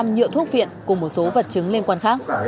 năm nhựa thuốc viện cùng một số vật chứng liên quan khác